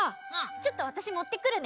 ちょっとわたしもってくるね。